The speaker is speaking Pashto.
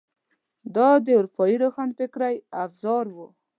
دا د اروپايي روښانفکرۍ اوزار وو.